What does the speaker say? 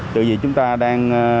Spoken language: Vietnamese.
từ vì chúng ta đang